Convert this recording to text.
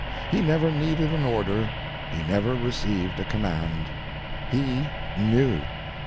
He never needed an order, he never received a command. He knew.